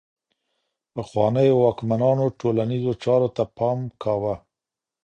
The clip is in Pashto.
پخوانيو واکمنانو ټولنيزو چارو ته پام کاوه.